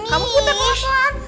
kamu putar pelan pelan